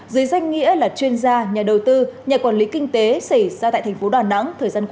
dưới danh nghĩa là chuyên gia nhà đầu tư nhà quản lý kinh tế xảy ra tại tp đn